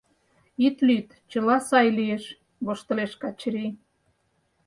— Ит лӱд, чыла сай лиеш, — воштылеш Качырий.